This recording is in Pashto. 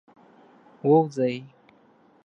ووځی.